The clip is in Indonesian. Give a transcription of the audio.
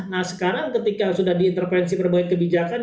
nah sekarang ketika sudah diintervensi perbaikan kebijakan